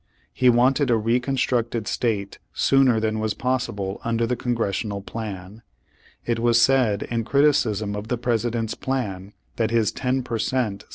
He wanted a reconstructed state sooner than was possible under the Con gressional plan. It was said in criticism of the President's plan that his "ten per cent."